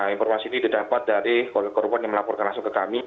informasi ini didapat dari korban yang melaporkan langsung ke kami